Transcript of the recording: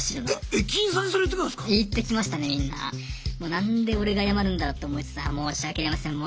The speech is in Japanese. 何で俺が謝るんだろうって思いつつ申し訳ありません申し訳ありません。